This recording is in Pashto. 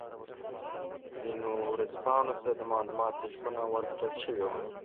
ځینو ورځپاڼو ته د معلوماتو ژمنه ورکړل شوې وه.